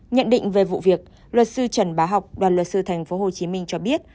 nhận định về vụ việc luật sư trần bá học đoàn luật sư tp hcm cho biết